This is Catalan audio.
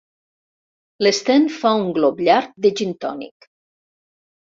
L'Sten fa un glop llarg de gintònic.